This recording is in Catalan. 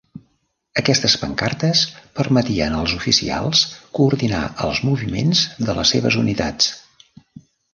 Aquestes pancartes permetien als oficials coordinar el moviment de les seves unitats.